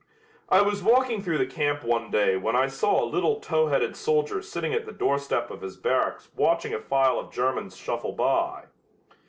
I was walking through the camp one day when I saw a little tow headed soldier sitting at the doorstep of his barracks watching a file of Germans shuffle by.